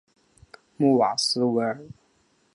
穆瓦斯维尔。